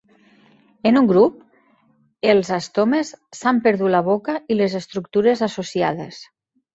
En un grup, els astomes, s'han perdut la boca i les estructures associades.